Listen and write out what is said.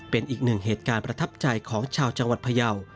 เป็นอีกหนึ่งเหตุการณ์ประทับใจของชาวจังหวัดพยาว